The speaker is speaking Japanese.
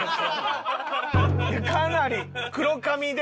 かなり黒髪で。